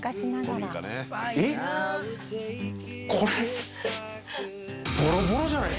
これ。